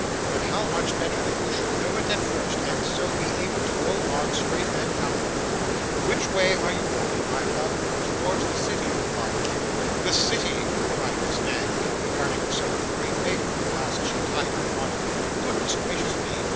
'But how much better that you should know it at first, and so be able to go on, straight and comfortable! Which way are you walking, my love?' 'Towards the city,' replied Kate. 'The city!' cried Miss Knag, regarding herself with great favour in the glass as she tied her bonnet. 'Goodness gracious me!